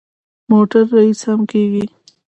موټر ریس هم کېږي.